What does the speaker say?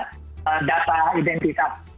bagaimana penjebolan data identitas